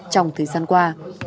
trong thời gian qua